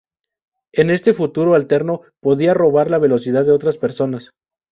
En este futuro alterno, podía robar la velocidad de otras personas.